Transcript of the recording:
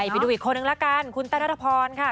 ไปดูอีกคนหนึ่งละกันคุณต้านรัฐพรค่ะ